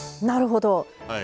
なるほど。